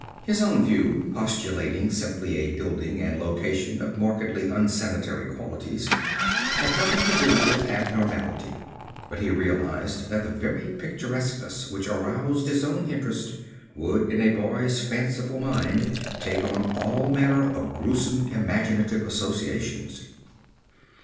His own view, postulating simply a building and location of markedly unsanitary qualities, had nothing to do with abnormality; but he realized that the very picturesqueness which aroused his own interest would in a boy's fanciful mind take on all manner of gruesome imaginative associations.